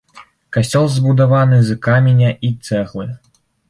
Касцёл збудаваны з каменя і цэглы.